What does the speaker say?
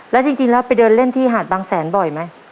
แล้วจริงแล้วไปเดินเล่นที่หาดบางแสนบ่อยไหม